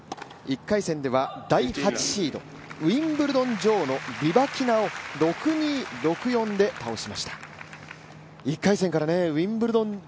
１回戦では第８シードウィンブルドン女王を６−２、６−４で倒しました。